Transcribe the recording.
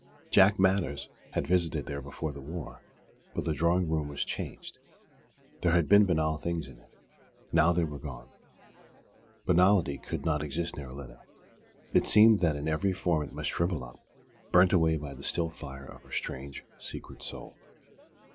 Jack Manners had visited there before the war; but the drawing room was changed. There had been banal things in it. Now they were gone. Banality could not exist near Lyda. It seemed that in every form it must shrivel up, burnt away by the still fire of her strange, secret soul.